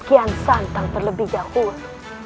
kian santang terlebih dahulu